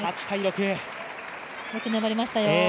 よく粘りましたよ。